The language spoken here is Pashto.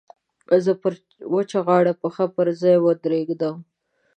زه پر وچه غاړه پښه پر ځای ودرېدم.